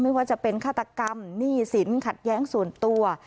ไม่ว่าจะเป็นฆาตกรรมหนี้สินขัดแย้งส่วนตัว